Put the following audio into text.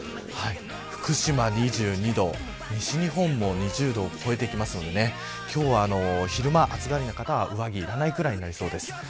福島２２度、西日本も２０度を超えてきますので今日は昼間、暑がりの方上着いらないくらいになりそうです。